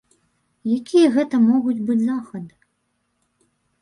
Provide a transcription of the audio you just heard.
Якія гэта могуць быць захады?